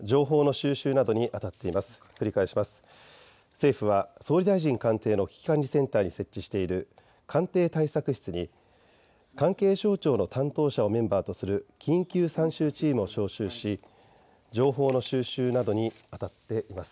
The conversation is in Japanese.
政府は総理大臣官邸の危機管理センターに設置している官邸対策室に関係省庁の担当者をメンバーとする緊急参集チームを招集し情報の収集などにあたっています。